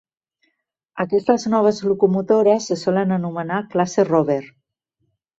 Aquestes noves locomotores se solen anomenar "classe Rover".